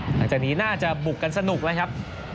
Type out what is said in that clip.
หลังจากนี้น่าจะบุกกันสนุกแล้วครับ